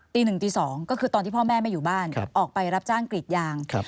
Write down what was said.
ตี๑ตี๒ก็คือตอนที่พ่อแม่ไม่อยู่บ้านออกไปรับจ้างกรีดยาง